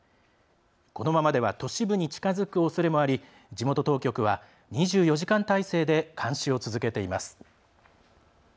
このままでは都市部に近づくおそれもあり地元当局は２４時間態勢で監視を続けています。